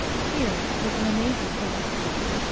Here was an amazing coincidence.